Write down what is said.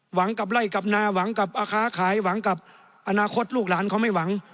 หวังกับไล่กับนาหวังกับอาค้าขายหวังกับอนาคตลูกหลานเขาไม่หวัง